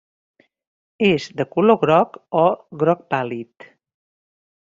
És de color groc o groc pàl·lid.